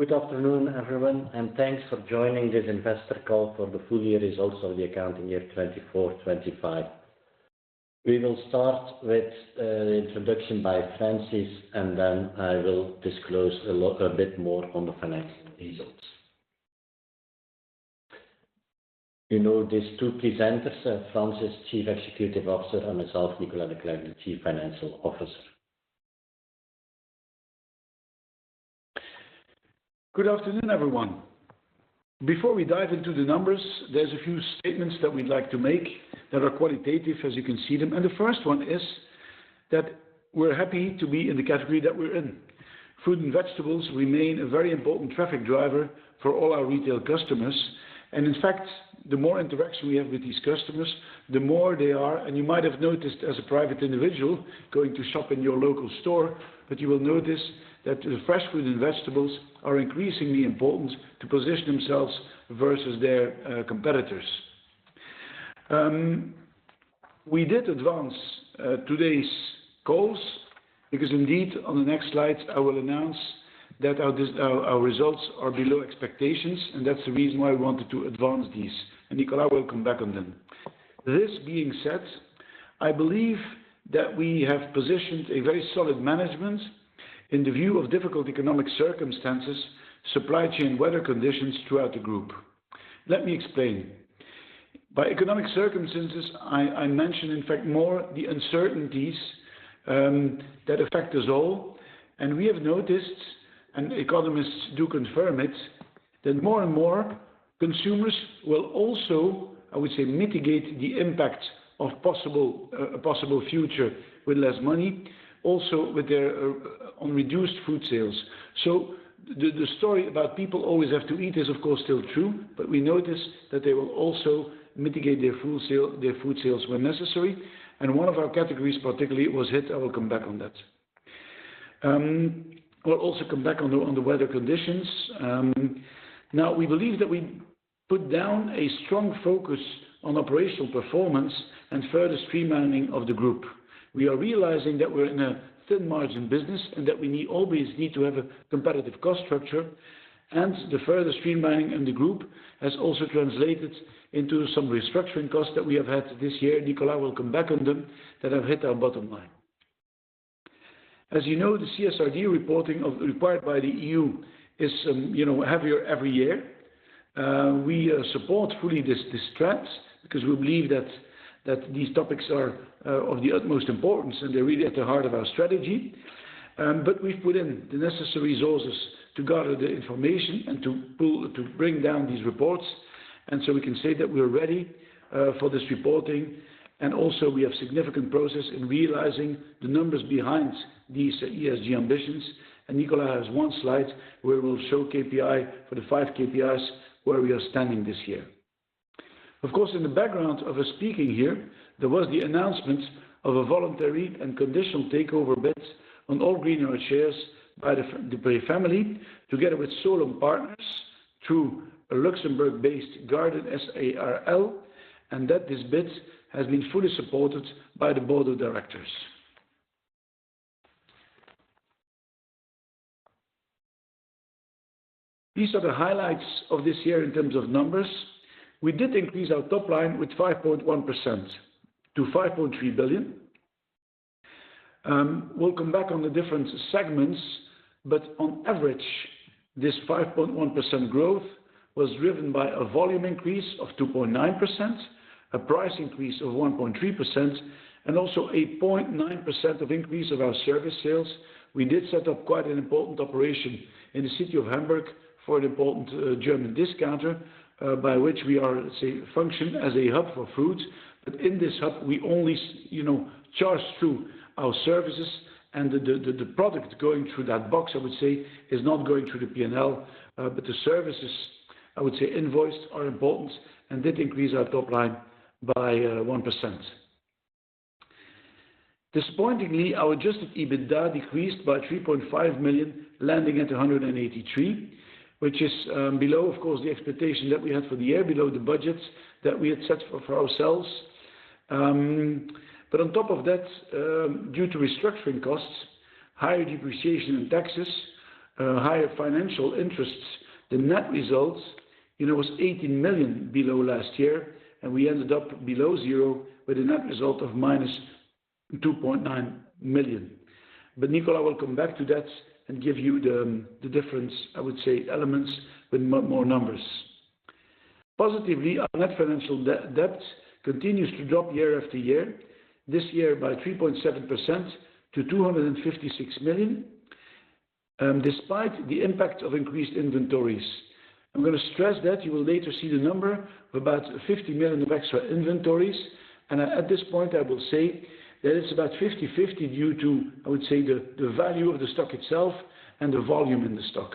Good afternoon, everyone, and thanks for joining this investor call for the full year results of the accounting year 2024/2025. We will start with the introduction by Francis, and then I will disclose a bit more on the financial results. You know these two presenters: Francis J. Kint, Chief Executive Officer, and myself, Nicolas De Clercq, the Chief Financial Officer. Good afternoon, everyone. Before we dive into the numbers, there are a few statements that we'd like to make that are qualitative, as you can see them. The first one is that we're happy to be in the category that we're in. Food and vegetables remain a very important traffic driver for all our retail customers. In fact, the more interaction we have with these customers, the more they are, and you might have noticed as a private individual going to shop in your local store, that you will notice that the fresh food and vegetables are increasingly important to position themselves versus their competitors. We did advance today's calls because, indeed, on the next slides, I will announce that our results are below expectations, and that's the reason why we wanted to advance these. Nicolas, I will come back on them. This being said, I believe that we have positioned a very solid management in the view of difficult economic circumstances, supply chain, and weather conditions throughout the group. Let me explain. By economic circumstances, I mention, in fact, more the uncertainties that affect us all. We have noticed, and economists do confirm it, that more and more consumers will also, I would say, mitigate the impact of a possible future with less money, also with their reduced food sales. The story about people always have to eat is, of course, still true, but we notice that they will also mitigate their food sales when necessary. One of our categories particularly was hit. I will come back on that. I will also come back on the weather conditions. Now, we believe that we put down a strong focus on operational performance and further streamlining of the group. We are realizing that we're in a thin-margin business and that we always need to have a competitive cost structure. The further streamlining in the group has also translated into some restructuring costs that we have had this year. Nicolas, I will come back on them, that have hit our bottom line. As you know, the CSRD reporting required by the EU is heavier every year. We support fully this strength because we believe that these topics are of the utmost importance, and they're really at the heart of our strategy. We have put in the necessary resources to gather the information and to bring down these reports. We can say that we're ready for this reporting. We also have significant process in realizing the numbers behind these ESG ambitions. Nicolas has one slide where we'll show KPI for the five KPIs where we are standing this year. Of course, in the background of us speaking here, there was the announcement of a voluntary and conditional takeover bid on all Greenyard shares by the family together with Solon Partners through a Luxembourg-based Garden SARL, and that this bid has been fully supported by the board of directors. These are the highlights of this year in terms of numbers. We did increase our top line with 5.1% to 5.3 billion. We'll come back on the different segments, but on average, this 5.1% growth was driven by a volume increase of 2.9%, a price increase of 1.3%, and also a 0.9% increase of our service sales. We did set up quite an important operation in the city of Hamburg for an important German discounter by which we function as a hub for food. In this hub, we only charge through our services, and the product going through that box, I would say, is not going through the P&L, but the services, I would say, invoiced are important and did increase our top line by 1%. Disappointingly, our adjusted EBITDA decreased by 3.5 million, landing at 183 million, which is below, of course, the expectation that we had for the year, below the budgets that we had set for ourselves. On top of that, due to restructuring costs, higher depreciation and taxes, higher financial interests, the net result was 18 million below last year, and we ended up below zero with a net result of minus 2.9 million. Nicolas, I will come back to that and give you the difference, I would say, elements with more numbers. Positively, our net financial debt continues to drop year after year, this year by 3.7% to 256 million, despite the impact of increased inventories. I'm going to stress that you will later see the number of about 50 million of extra inventories. At this point, I will say that it's about 50/50 due to, I would say, the value of the stock itself and the volume in the stock.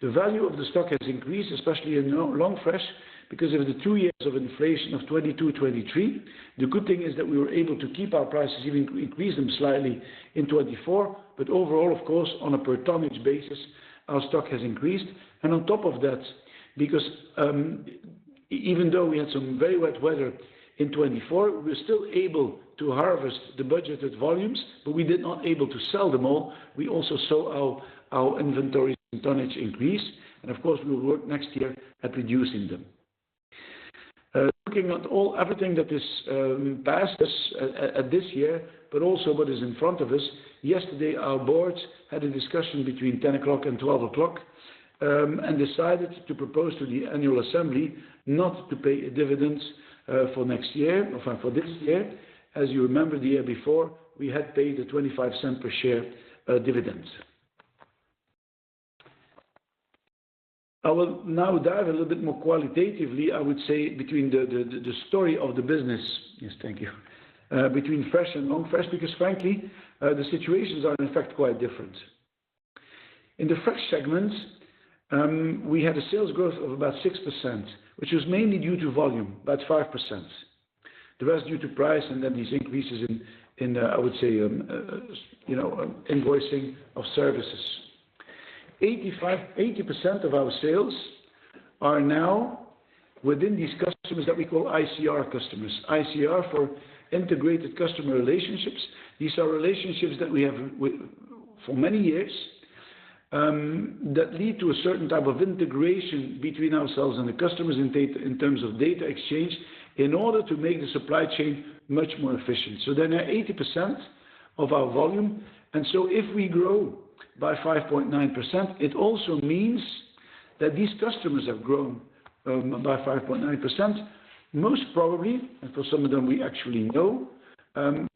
The value of the stock has increased, especially in long fresh, because of the two years of inflation of 2022/2023. The good thing is that we were able to keep our prices, even increase them slightly in 2024. Overall, of course, on a per-tonnage basis, our stock has increased. On top of that, because even though we had some very wet weather in 2024, we were still able to harvest the budgeted volumes, but we did not be able to sell them all. We also saw our inventories and tonnage increase. Of course, we will work next year at reducing them. Looking at everything that has passed us this year, but also what is in front of us, yesterday, our board had a discussion between 10:00 A.M. and 12:00 P.M. and decided to propose to the annual assembly not to pay dividends for next year, for this year. As you remember, the year before, we had paid the 0.25 per share dividends. I will now dive a little bit more qualitatively, I would say, between the story of the business, yes, thank you, between fresh and long fresh, because frankly, the situations are in fact quite different. In the fresh segment, we had a sales growth of about 6%, which was mainly due to volume, about 5%. The rest due to price and then these increases in, I would say, invoicing of services. 80% of our sales are now within these customers that we call ICR customers. ICR for integrated customer relationships. These are relationships that we have for many years that lead to a certain type of integration between ourselves and the customers in terms of data exchange in order to make the supply chain much more efficient. They are now 80% of our volume. If we grow by 5.9%, it also means that these customers have grown by 5.9%, most probably, and for some of them, we actually know,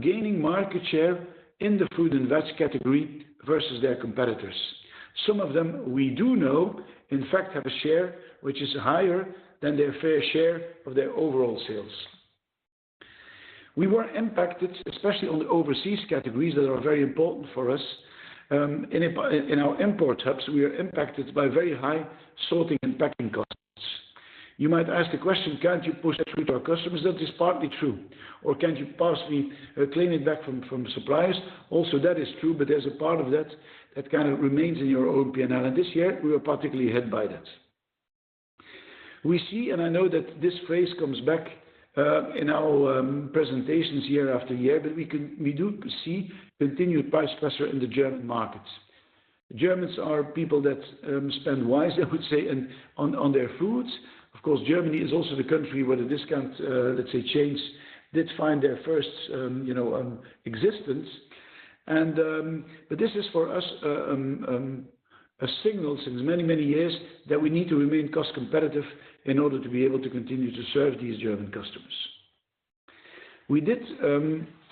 gaining market share in the food and veg category versus their competitors. Some of them we do know, in fact, have a share which is higher than their fair share of their overall sales. We were impacted, especially on the overseas categories that are very important for us. In our import hubs, we are impacted by very high sorting and packing costs. You might ask the question, can't you push that through to our customers? That is partly true. Or can't you possibly claim it back from suppliers? Also, that is true, but there is a part of that that kind of remains in your own P&L. This year, we were particularly hit by that. We see, and I know that this phrase comes back in our presentations year after year, but we do see continued price pressure in the German markets. Germans are people that spend wise, I would say, on their foods. Of course, Germany is also the country where the discount, let's say, chains did find their first existence. This is for us a signal since many, many years that we need to remain cost competitive in order to be able to continue to serve these German customers. We did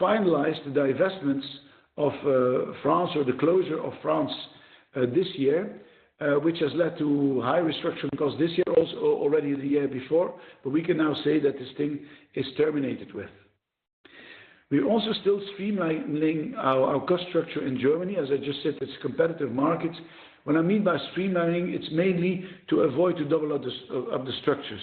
finalize the divestments of France or the closure of France this year, which has led to high restructuring costs this year, also already the year before, but we can now say that this thing is terminated with. We're also still streamlining our cost structure in Germany. As I just said, it's competitive markets. What I mean by streamlining, it's mainly to avoid the double-up of the structures.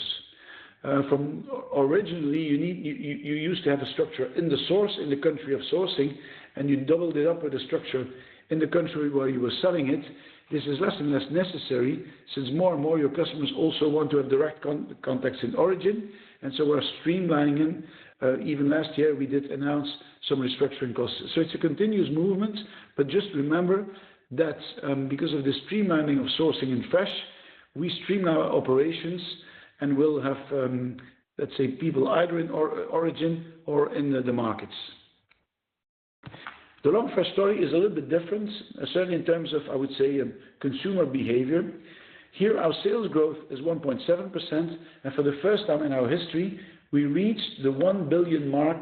Originally, you used to have a structure in the source, in the country of sourcing, and you doubled it up with a structure in the country where you were selling it. This is less and less necessary since more and more of your customers also want to have direct contacts in origin. We're streamlining. Even last year, we did announce some restructuring costs. It's a continuous movement, but just remember that because of the streamlining of sourcing and fresh, we streamline our operations and we'll have, let's say, people either in origin or in the markets. The long fresh story is a little bit different, certainly in terms of, I would say, consumer behavior. Here, our sales growth is 1.7%, and for the first time in our history, we reached the 1 billion mark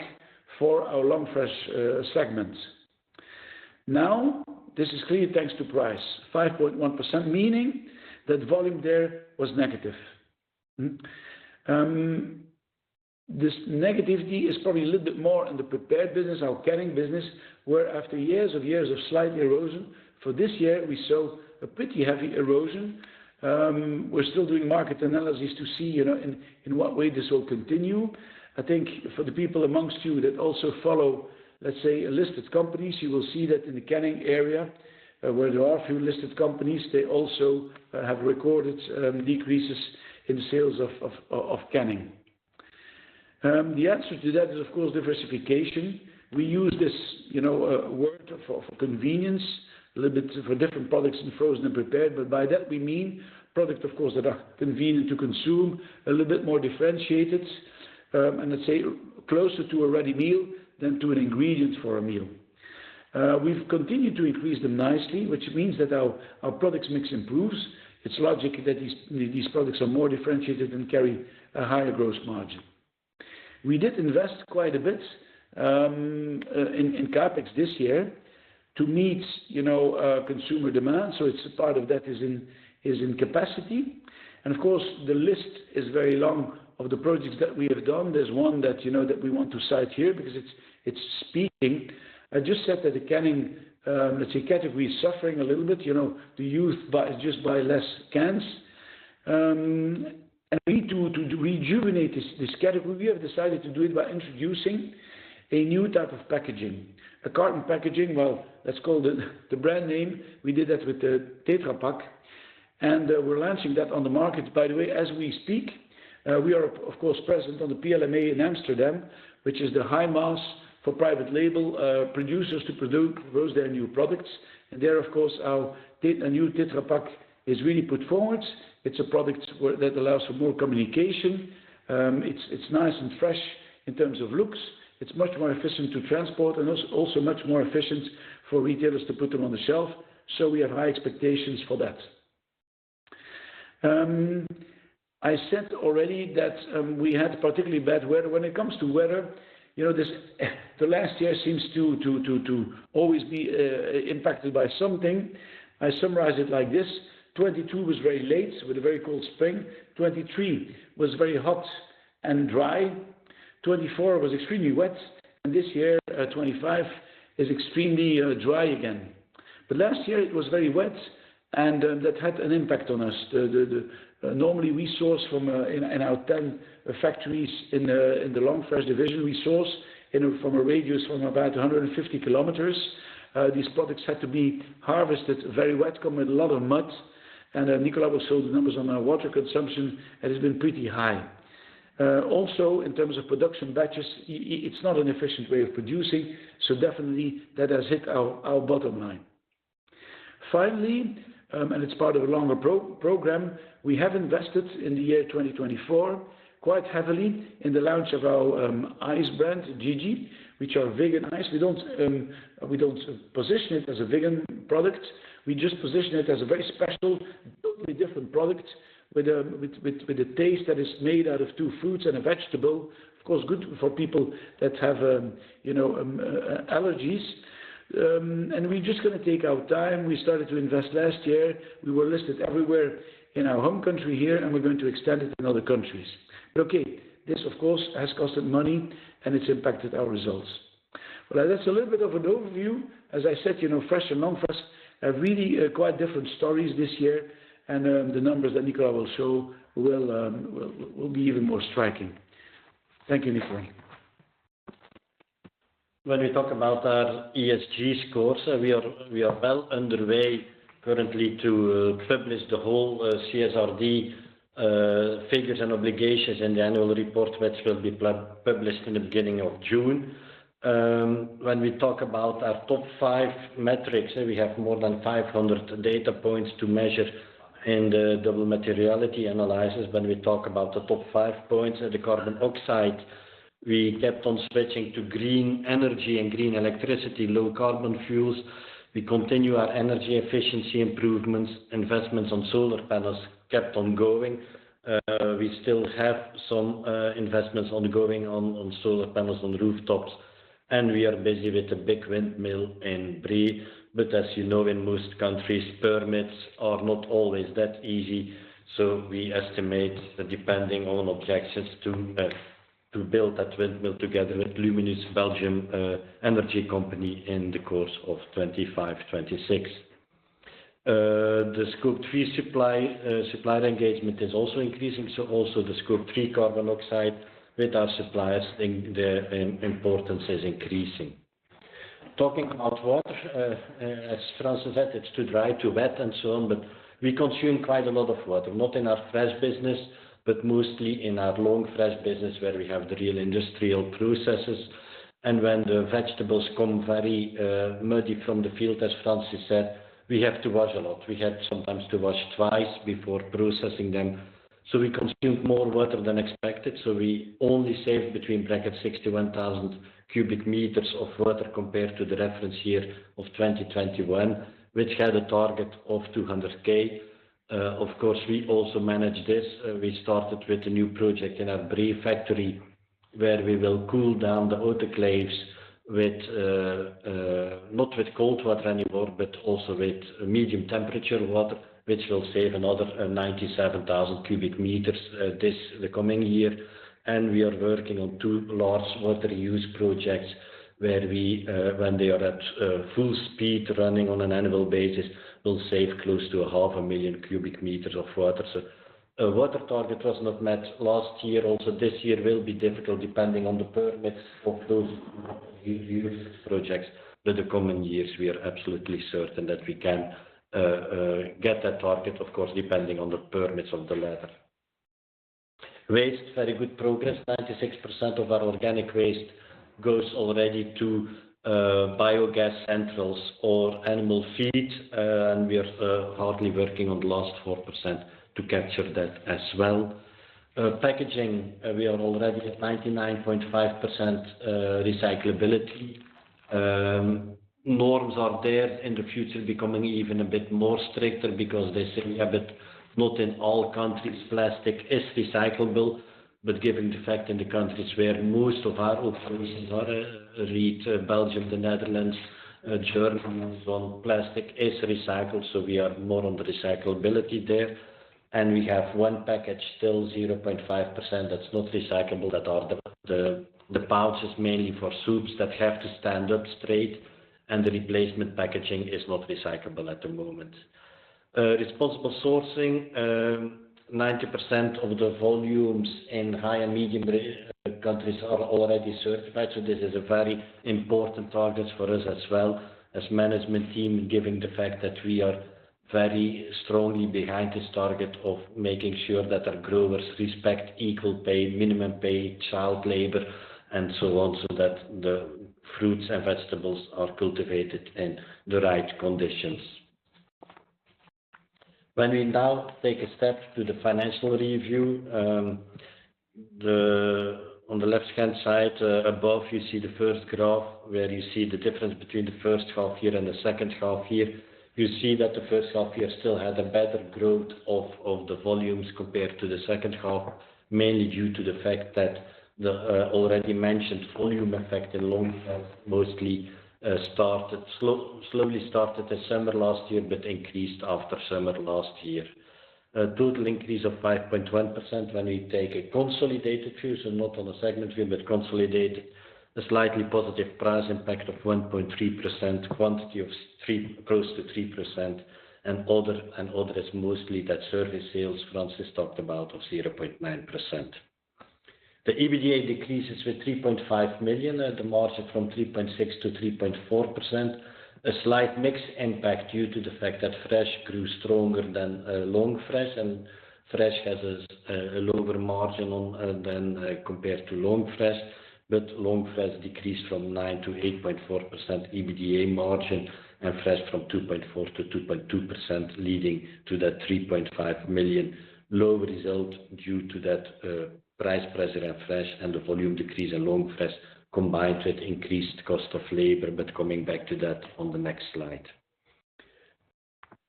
for our long fresh segment. Now, this is clearly thanks to price, 5.1%, meaning that volume there was negative. This negativity is probably a little bit more in the prepared business, our canning business, where after years and years of slight erosion, for this year, we saw a pretty heavy erosion. We're still doing market analysis to see in what way this will continue. I think for the people amongst you that also follow, let's say, listed companies, you will see that in the canning area, where there are a few listed companies, they also have recorded decreases in sales of canning. The answer to that is, of course, diversification. We use this word for convenience, a little bit for different products in frozen and prepared, but by that, we mean products, of course, that are convenient to consume, a little bit more differentiated, and let's say closer to a ready meal than to an ingredient for a meal. We've continued to increase them nicely, which means that our products mix improves. It's logic that these products are more differentiated and carry a higher gross margin. We did invest quite a bit in CapEx this year to meet consumer demand. Part of that is in capacity. Of course, the list is very long of the projects that we have done. There's one that we want to cite here because it's speaking. I just said that the canning, let's say, category is suffering a little bit, the youth just buy less cans. We need to rejuvenate this category. We have decided to do it by introducing a new type of packaging, a carton packaging. That is called the brand name. We did that with Tetra Pak, and we are launching that on the market. By the way, as we speak, we are, of course, present at the PLMA in Amsterdam, which is the high mass for private label producers to produce their new products. There, of course, our new Tetra Pak is really put forward. It is a product that allows for more communication. It is nice and fresh in terms of looks. It is much more efficient to transport and also much more efficient for retailers to put them on the shelf. We have high expectations for that. I said already that we had particularly bad weather. When it comes to weather, the last year seems to always be impacted by something. I summarize it like this: 2022 was very late with a very cold spring. 2023 was very hot and dry. 2024 was extremely wet. This year, 2025 is extremely dry again. Last year, it was very wet, and that had an impact on us. Normally, we source from our 10 factories in the long fresh division. We source from a radius of about 150 km. These products had to be harvested very wet, come with a lot of mud. Nicolas will show the numbers on our water consumption. It has been pretty high. Also, in terms of production batches, it is not an efficient way of producing. That has definitely hit our bottom line. Finally, and it is part of a longer program, we have invested in the year 2024 quite heavily in the launch of our ice brand, Gigi, which are vegan ice. We do not position it as a vegan product. We just position it as a very special, totally different product with a taste that is made out of two fruits and a vegetable, of course, good for people that have allergies. We are just going to take our time. We started to invest last year. We were listed everywhere in our home country here, and we are going to extend it in other countries. This, of course, has cost money, and it has impacted our results. That is a little bit of an overview. As I said, fresh and long fresh have really quite different stories this year, and the numbers that Nicolas will show will be even more striking. Thank you, Nicolas. When we talk about our ESG scores, we are well underway currently to publish the whole CSRD figures and obligations in the annual report, which will be published in the beginning of June. When we talk about our top five metrics, we have more than 500 data points to measure in the double materiality analysis. When we talk about the top five points of the carbon oxide, we kept on switching to green energy and green electricity, low carbon fuels. We continue our energy efficiency improvements. Investments on solar panels kept on going. We still have some investments ongoing on solar panels on rooftops. We are busy with the big windmill in Bri. As you know, in most countries, permits are not always that easy. We estimate that depending on objectives to build that windmill together with Luminous Belgium Energy Company in the course of 2025-2026. The scope three supplier engagement is also increasing. Also, the scope three carbon oxide with our suppliers, their importance is increasing. Talking about water, as Francis said, it's too dry, too wet, and so on. We consume quite a lot of water, not in our fresh business, but mostly in our long fresh business where we have the real industrial processes. When the vegetables come very muddy from the field, as Francis said, we have to wash a lot. We had sometimes to wash twice before processing them. We consumed more water than expected. We only saved 61,000 cubic meters of water compared to the reference year of 2021, which had a target of 200,000. Of course, we also manage this. We started with a new project in our Bri factory where we will cool down the autoclaves with not with cold water anymore, but also with medium temperature water, which will save another 97,000 cubic meters this coming year. We are working on two large water use projects where we, when they are at full speed running on an annual basis, will save close to 500,000 cubic meters of water. Water target was not met last year. Also, this year will be difficult depending on the permits for those huge projects. The coming years, we are absolutely certain that we can get that target, of course, depending on the permits of the latter. Waste, very good progress. 96% of our organic waste goes already to biogas centrals or animal feed. We are hardly working on the last 4% to capture that as well. Packaging, we are already at 99.5% recyclability. Norms are there in the future becoming even a bit more stricter because they say, yeah, but not in all countries plastic is recyclable. Given the fact in the countries where most of our operations are in Belgium, the Netherlands, Germany, and so on, plastic is recycled. We are more on the recyclability there. We have one package still, 0.5% that's not recyclable. That are the pouches mainly for soups that have to stand up straight. The replacement packaging is not recyclable at the moment. Responsible sourcing, 90% of the volumes in high and medium countries are already certified. This is a very important target for us as well, as management team, given the fact that we are very strongly behind this target of making sure that our growers respect equal pay, minimum pay, child labor, and so on, so that the fruits and vegetables are cultivated in the right conditions. When we now take a step to the financial review, on the left-hand side above, you see the first graph where you see the difference between the first half year and the second half year. You see that the first half year still had a better growth of the volumes compared to the second half, mainly due to the fact that the already mentioned volume effect in long fresh mostly slowly started December last year, but increased after summer last year. Total increase of 5.1% when we take a consolidated view, so not on a segment view, but consolidated, a slightly positive price impact of 1.3%, quantity of close to 3%, and order is mostly that service sales Francis talked about of 0.9%. The EBITDA decreases with 3.5 million and the margin from 3.6% to 3.4%. A slight mixed impact due to the fact that fresh grew stronger than long fresh, and fresh has a lower margin than compared to long fresh, but long fresh decreased from 9% to 8.4% EBITDA margin and fresh from 2.4% to 2.2%, leading to that 3.5 million low result due to that price pressure on fresh and the volume decrease in long fresh combined with increased cost of labor, but coming back to that on the next slide.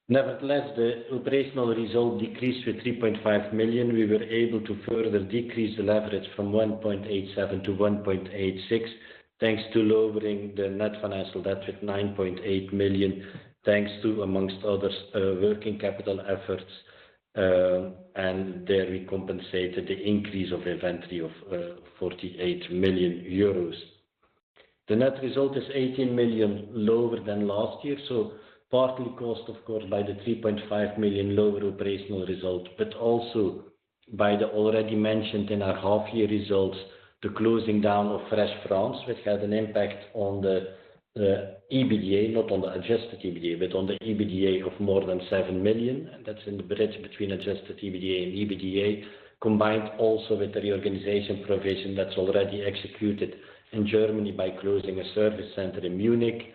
Nevertheless, the operational result decreased with 3.5 million. We were able to further decrease the leverage from 1.87 to 1.86, thanks to lowering the net financial debt with 9.8 million, thanks to, amongst others, working capital efforts, and there we compensated the increase of inventory of 48 million euros. The net result is 18 million lower than last year, so partly caused, of course, by the 3.5 million lower operational result, but also by the already mentioned in our half-year results, the closing down of fresh France, which had an impact on the EBITDA, not on the adjusted EBITDA, but on the EBITDA of more than 7 million. That's in the bridge between adjusted EBITDA and EBITDA, combined also with the reorganization provision that's already executed in Germany by closing a service center in Munich,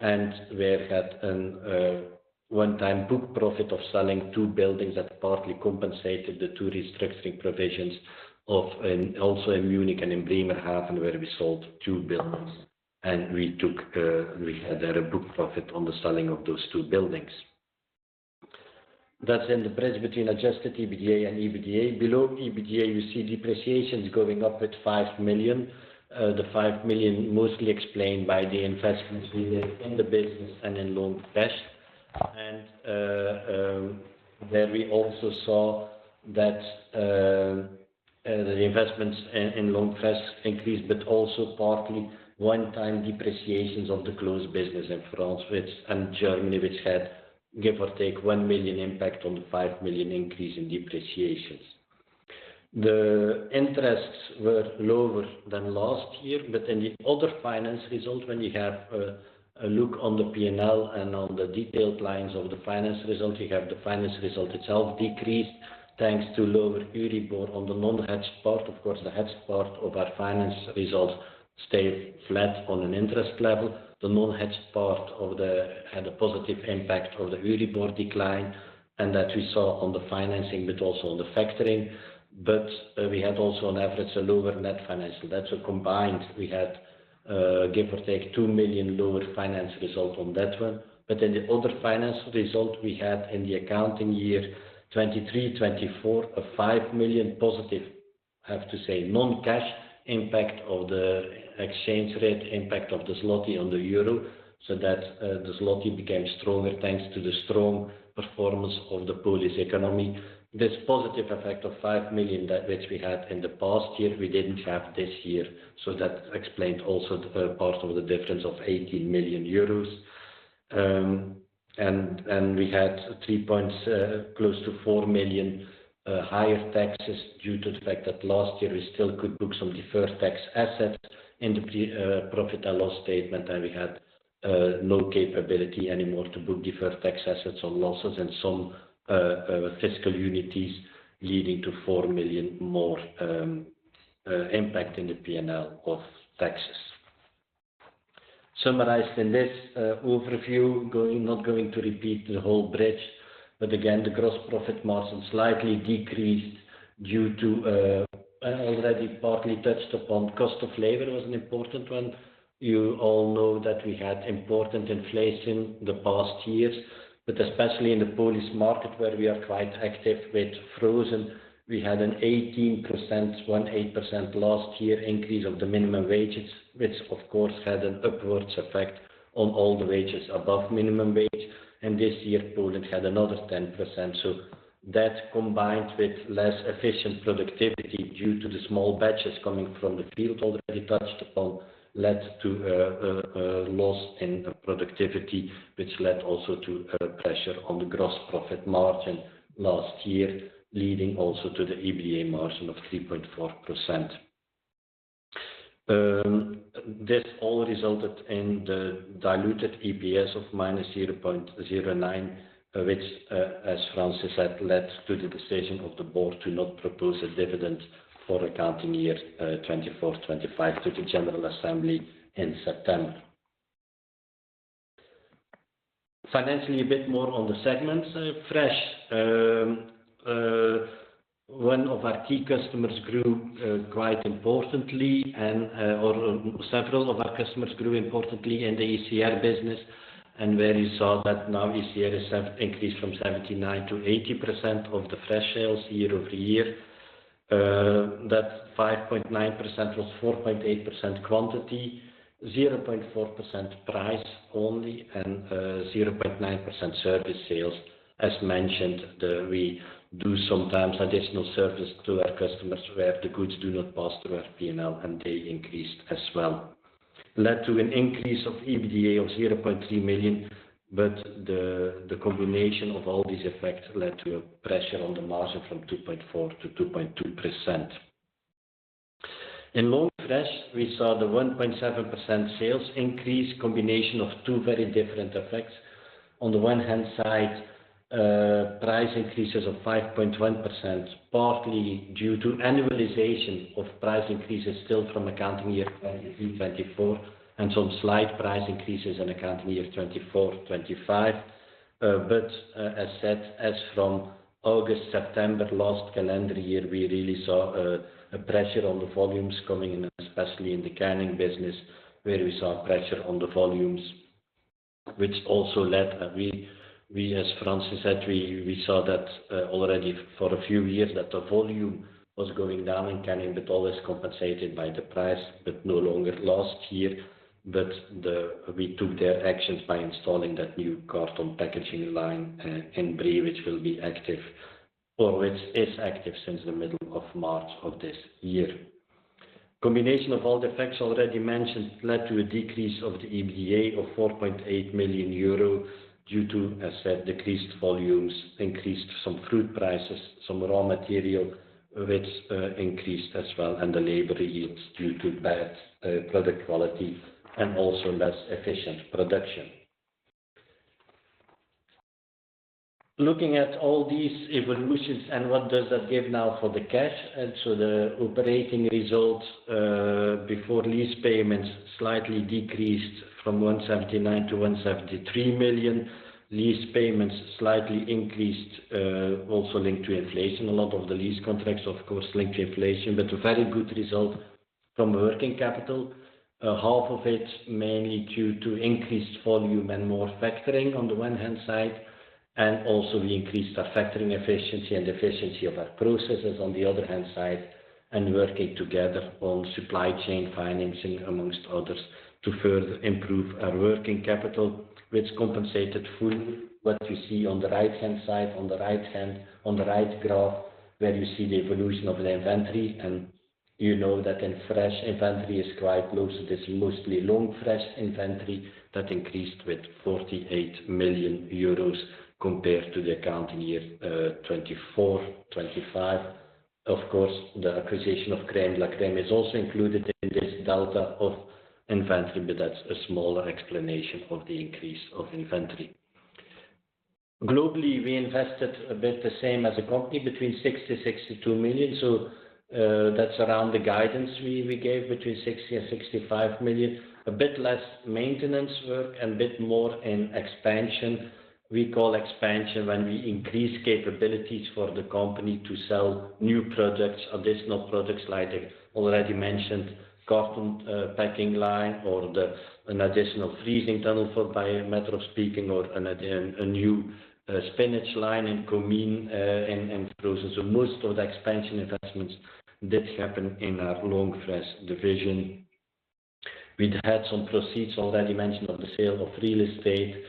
and where we had a one-time book profit of selling two buildings that partly compensated the two restructuring provisions also in Munich and in Bremerhaven, where we sold two buildings. We had a book profit on the selling of those two buildings. That's in the bridge between adjusted EBITDA and EBITDA. Below EBITDA, you see depreciations going up with 5 million. The 5 million is mostly explained by the investment in the business and in long fresh. There we also saw that the investments in long fresh increased, but also partly one-time depreciations of the closed business in France and Germany, which had, give or take, 1 million impact on the 5 million increase in depreciations. The interests were lower than last year, but in the other finance result, when you have a look on the P&L and on the detailed lines of the finance result, you have the finance result itself decreased thanks to lower Euribor on the non-hedge part. Of course, the hedge part of our finance result stayed flat on an interest level. The non-hedge part had a positive impact of the Euribor decline, and that we saw on the financing, but also on the factoring. We had also an average lower net financial. That is combined we had, give or take, 2 million lower finance result on that one. In the other finance result, we had in the accounting year 2023-2024, a 5 million positive, I have to say, non-cash impact of the exchange rate, impact of the Zloty on the euro, so that the Zloty became stronger thanks to the strong performance of the Polish economy. This positive effect of 5 million that which we had in the past year, we did not have this year. That explained also part of the difference of 18 million euros. We had three points, close to 4 million higher taxes due to the fact that last year we still could book some deferred tax assets in the profit and loss statement, and we had no capability anymore to book deferred tax assets or losses in some fiscal unities, leading to 4 million more impact in the P&L of taxes. Summarized in this overview, not going to repeat the whole bridge, but again, the gross profit margin slightly decreased due to an already partly touched upon cost of labor was an important one. You all know that we had important inflation the past years, but especially in the Polish market where we are quite active with frozen, we had an 18%, 18% last year increase of the minimum wages, which of course had an upwards effect on all the wages above minimum wage. This year, Poland had another 10%. That combined with less efficient productivity due to the small batches coming from the field already touched upon led to a loss in productivity, which led also to pressure on the gross profit margin last year, leading also to the EBITDA margin of 3.4%. This all resulted in the diluted EPS of minus 0.09, which, as Francis said, led to the decision of the board to not propose a dividend for accounting year 2024-2025 to the General Assembly in September. Financially, a bit more on the segments. Fresh, one of our key customers grew quite importantly, and several of our customers grew importantly in the ECR business, and where you saw that now ECR has increased from 79% to 80% of the fresh sales year over year. That 5.9% was 4.8% quantity, 0.4% price only, and 0.9% service sales. As mentioned, we do sometimes additional service to our customers where the goods do not pass through our P&L, and they increased as well. Led to an increase of EBITDA of 0.3 million, but the combination of all these effects led to a pressure on the margin from 2.4% to 2.2%. In long fresh, we saw the 1.7% sales increase, combination of two very different effects. On the one hand side, price increases of 5.1%, partly due to annualization of price increases still from accounting year 2023-2024, and some slight price increases in accounting year 2024-2025. As said, as from August, September, last calendar year, we really saw a pressure on the volumes coming in, especially in the canning business, where we saw pressure on the volumes, which also led. We, as Francis said, we saw that already for a few years that the volume was going down in canning, but always compensated by the price, but no longer last year. We took their actions by installing that new carton packaging line in Bri, which will be active, or which is active since the middle of March of this year. Combination of all the effects already mentioned led to a decrease of the EBITDA of 4.8 million euro due to, as said, decreased volumes, increased some fruit prices, some raw material which increased as well, and the labor yields due to bad product quality and also less efficient production. Looking at all these evolutions, what does that give now for the cash? The operating results before lease payments slightly decreased from 179 million to 173 million. Lease payments slightly increased, also linked to inflation. A lot of the lease contracts, of course, linked to inflation, but a very good result from working capital, half of it mainly due to increased volume and more factoring on the one hand side. We increased our factoring efficiency and efficiency of our processes on the other hand side, and working together on supply chain financing, amongst others, to further improve our working capital, which compensated fully. What you see on the right-hand side, on the right graph, where you see the evolution of the inventory, and you know that in fresh inventory is quite low. This is mostly long fresh inventory that increased with 48 million euros compared to the accounting year 2024-2025. Of course, the acquisition of Kremla Krem is also included in this delta of inventory, but that's a smaller explanation of the increase of inventory. Globally, we invested a bit the same as a company, between 60-62 million. That's around the guidance we gave, between 60-65 million. A bit less maintenance work and a bit more in expansion. We call expansion when we increase capabilities for the company to sell new products, additional products like the already mentioned carton packing line or an additional freezing tunnel for, by a matter of speaking, or a new spinach line in commine and frozen. Most of the expansion investments did happen in our long fresh division. We had some proceeds already mentioned of the sale of real estate,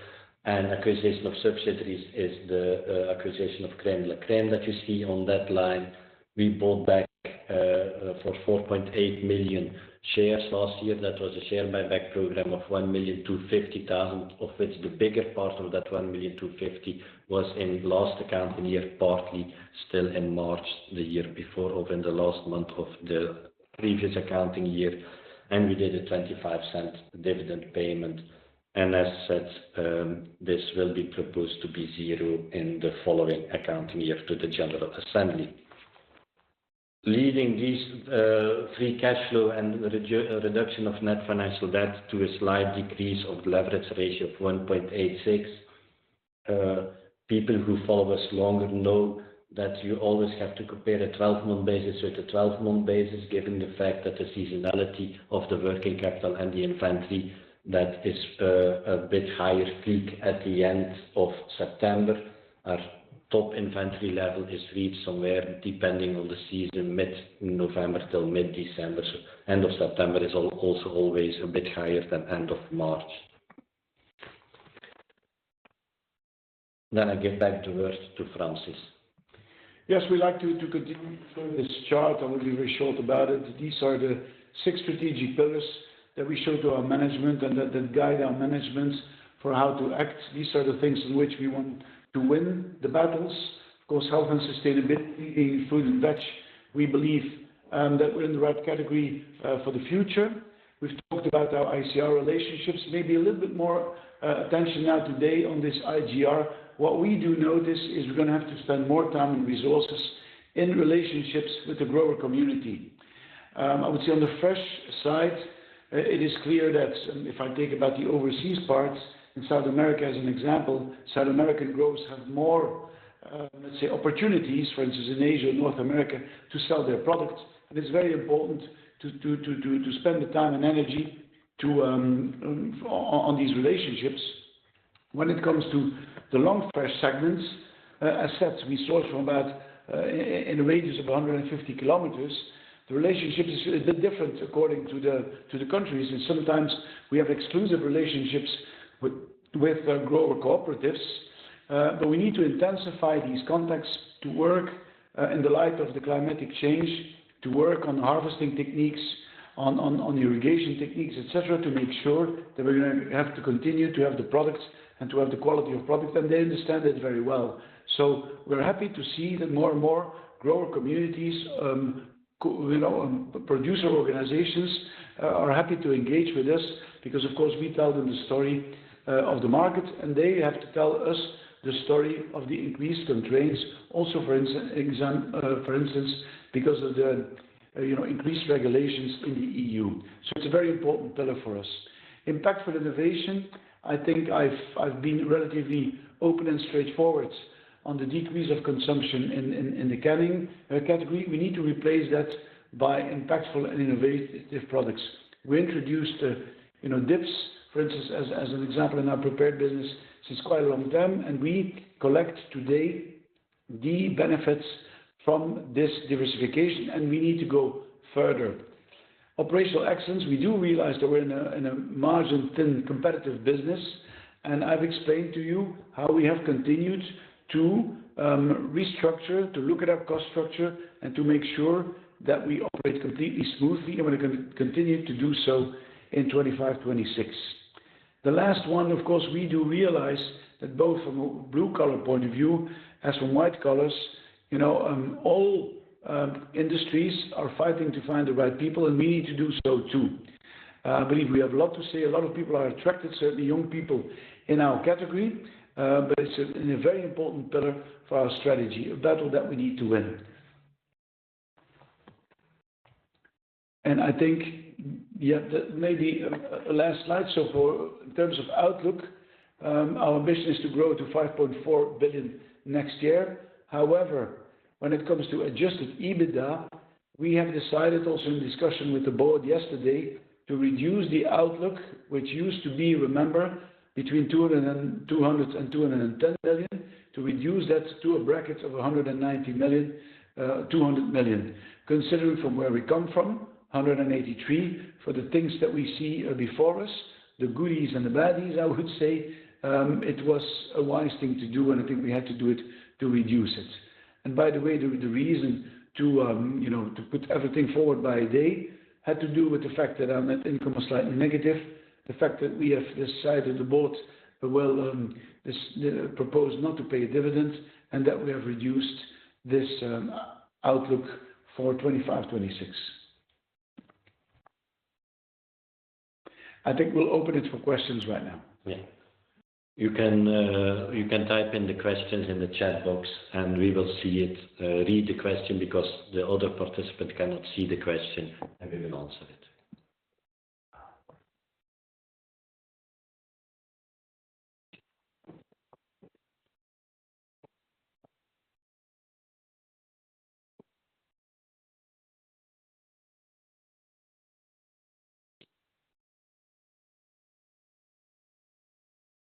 and acquisition of subsidiaries is the acquisition of Kremla Krem that you see on that line. We bought back for 4.8 million shares last year. That was a share buyback program of 1,250,000, of which the bigger part of that 1,250,000 was in last accounting year, partly still in March the year before or in the last month of the previous accounting year. We did a 0.25 dividend payment. As said, this will be proposed to be zero in the following accounting year to the General Assembly. Leading these free cash flow and reduction of net financial debt to a slight decrease of leverage ratio of 1.86. People who follow us longer know that you always have to compare a 12-month basis with a 12-month basis, given the fact that the seasonality of the working capital and the inventory that is a bit higher peak at the end of September. Our top inventory level is reached somewhere depending on the season, mid-November till mid-December. End of September is also always a bit higher than end of March. I give back the word to Francis. Yes, we'd like to continue through this chart. I'm going to be very short about it. These are the six strategic pillars that we show to our management and that guide our management for how to act. These are the things in which we want to win the battles. Of course, health and sustainability being fully in touch, we believe that we're in the right category for the future. We've talked about our ICR relationships. Maybe a little bit more attention now today on this IGR. What we do notice is we're going to have to spend more time and resources in relationships with the grower community. I would say on the fresh side, it is clear that if I think about the overseas parts in South America, as an example, South American growers have more, let's say, opportunities, for instance, in Asia and North America to sell their products. It is very important to spend the time and energy on these relationships. When it comes to the long fresh segments, as said, we source from about in a radius of 150 km. The relationship is a bit different according to the countries. Sometimes we have exclusive relationships with grower cooperatives. We need to intensify these contacts to work in the light of the climatic change, to work on harvesting techniques, on irrigation techniques, etc., to make sure that we're going to have to continue to have the products and to have the quality of products. They understand it very well. We are happy to see that more and more grower communities, producer organizations are happy to engage with us because, of course, we tell them the story of the market, and they have to tell us the story of the increased constraints, also for instance, because of the increased regulations in the EU. It is a very important pillar for us. Impactful innovation, I think I've been relatively open and straightforward on the decrease of consumption in the canning category. We need to replace that by impactful and innovative products. We introduced DIPS, for instance, as an example in our prepared business since quite a long time, and we collect today the benefits from this diversification, and we need to go further. Operational excellence, we do realize that we're in a margin-thin competitive business, and I've explained to you how we have continued to restructure, to look at our cost structure, and to make sure that we operate completely smoothly. We are going to continue to do so in 2025, 2026. The last one, of course, we do realize that both from a blue-collar point of view, as from white collars, all industries are fighting to find the right people, and we need to do so too. I believe we have a lot to say. A lot of people are attracted, certainly young people in our category, but it's a very important pillar for our strategy, a battle that we need to win. I think, yeah, maybe a last slide. In terms of outlook, our ambition is to grow to 5.4 billion next year. However, when it comes to adjusted EBITDA, we have decided also in discussion with the board yesterday to reduce the outlook, which used to be, remember, between 200 million and 210 million, to reduce that to a bracket of 190 million-200 million. Considering from where we come from, 183 for the things that we see before us, the goodies and the baddies, I would say, it was a wise thing to do, and I think we had to do it to reduce it. By the way, the reason to put everything forward by a day had to do with the fact that our net income was slightly negative, the fact that we have decided the board will propose not to pay dividends, and that we have reduced this outlook for 2025, 2026. I think we'll open it for questions right now. Yeah. You can type in the questions in the chat box, and we will see it. Read the question because the other participant cannot see the question, and we will answer it.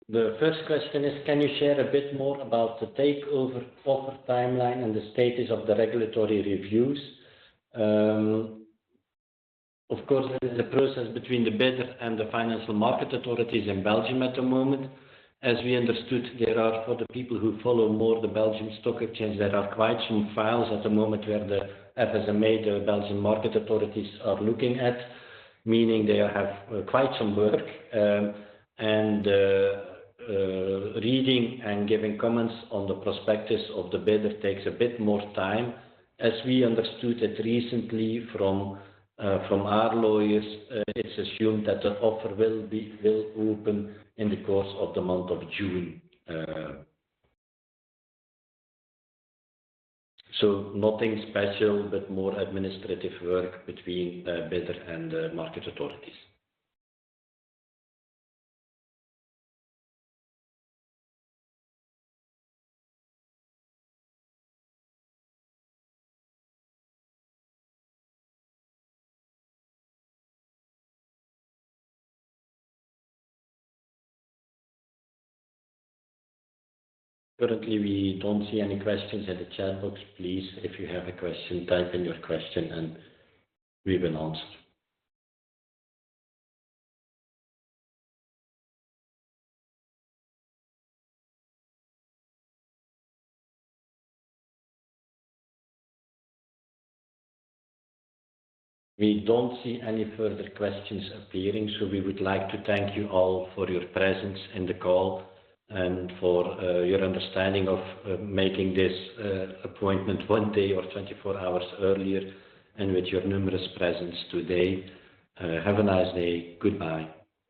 The first question is, can you share a bit more about the takeover offer timeline and the status of the regulatory reviews? Of course, there is a process between the bidder and the financial market authorities in Belgium at the moment. As we understood, for the people who follow more the Belgian stock exchange, there are quite some files at the moment where the FSMA, the Belgian market authorities, are looking at, meaning they have quite some work. Reading and giving comments on the prospectus of the bidder takes a bit more time. As we understood it recently from our lawyers, it is assumed that the offer will open in the course of the month of June. Nothing special, but more administrative work between the bidder and the market authorities. Currently, we do not see any questions in the chat box. Please, if you have a question, type in your question, and we will answer. We do not see any further questions appearing, so we would like to thank you all for your presence in the call and for your understanding of making this appointment one day or 24 hours earlier and with your numerous presence today. Have a nice day. Goodbye.